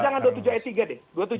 jangan dua puluh tujuh ayat tiga deh